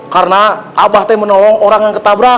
karena abah teh menolong orang yang ketabrak